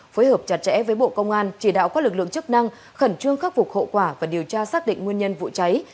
phối hợp chặt chẽ với bộ công an chỉ đạo các lực lượng chức năng khẩn trương khắc phục hậu quả và điều tra xác định nguyên nhân vụ cháy